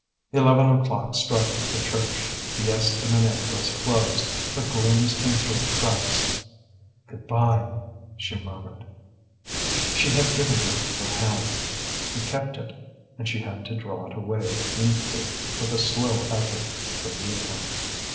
Eleven o'clock struck at the church. The estaminet was closed, but gleams came through the cracks. "Good bye," she murmured. She had given him her hand; he kept it, and she had to draw it away painfully, with a slow effort, to leave him.